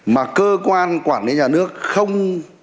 mà cơ quan quản lý nhà nước không